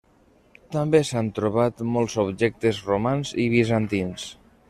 També s'han trobat molts objectes romans i bizantins.